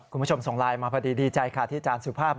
คุณผู้ชมส่งไลน์มาพอดีดีใจค่ะที่อาจารย์สุภาพ